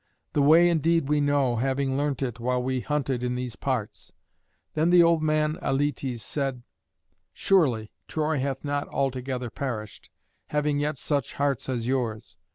The way indeed we know, having learnt it while we hunted in these parts." Then the old man Aletes said: "Surely, Troy hath not altogether perished, having yet such hearts as yours."